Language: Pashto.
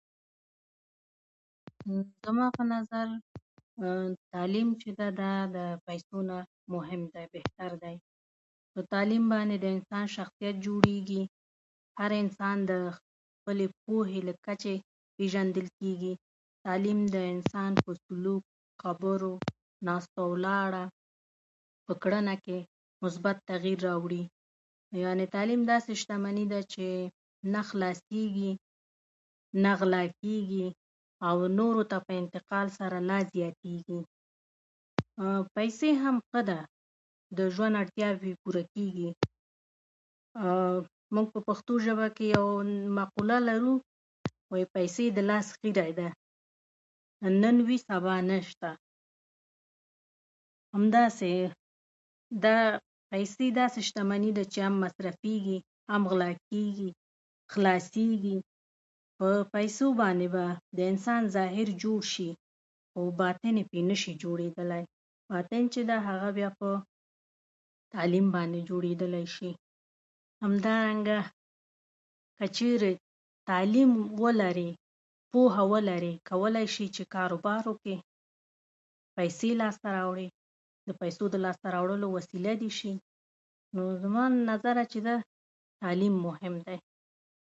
زما په نظر تعلیم چې ده، دا د پیسو نه مهم دی، بهتر دی. په تعلیم باندې د انسان شخصیت جوړېږي. هر انسان د خپلې پوهې له کچې پېژندل کېږي. تعلیم د انسان په سلوک، خبرو، ناسته ولاړه، په کړنه کې مثبت تغییر راوړي. یعنې تعلیم داسې شتمني ده چې نه خلاصېږي، نه غلا کېږي، او نورو ته په انتقال سره لا زیاتېږي. پیسې هم ښه ده، د ژوند اړتیا پرې پوره کېږي، او موږ په پښتو ژبه کې یوه مقوله لرو، وايي: پیسې د لاس [unintelligible] ده، نن وي، سبا نشته. همداسې دا پیسې داسې شتمني ده چې هم مصرف کېږي او هم غلا کېږي، خلاصېږي. په پیسو باندې به د انسان ظاهر جوړ شي، خو باطن یې پرې نه شي جوړېدلی. باطن چې ده، هغه بیا په تعلیم باندې جوړېدلی شي. همدارنګه که چېرې تعلیم ولرې، پوهه ولرې، کولای شي چې کاروبار وکړي، پیسې لاسته راوړي، د پیسو د لاسته راوړلو وسیله دې شي. نو زما له نظره چې ده، تعلیم مهم دی.